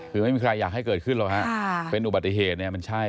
คือไม่มีใครอยากให้เกิดขึ้นหรอกฮะเป็นอุบัติเหตุเนี่ยมันใช่